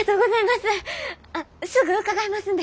すぐ伺いますんで！